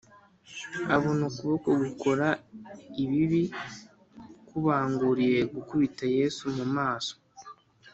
abona ukuboko gukora ibibi kubanguriye gukubita yesu mu maso